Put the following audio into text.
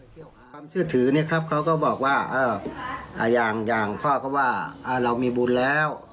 ความเชื่อถือเนี่ยครับเขาก็บอกว่าอย่างพ่อก็ว่าเรามีบุญแล้ว